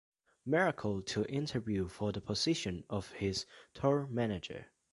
Miracle to interview for the position of his tour manager.